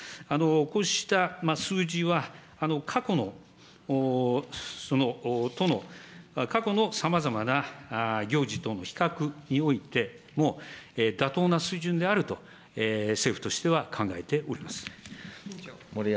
こうした数字は、過去の、過去のさまざまな行事との比較においても、妥当な水準であると、政府としては考えております。